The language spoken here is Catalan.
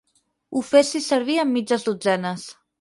Ho fessis servir amb mitges dotzenes.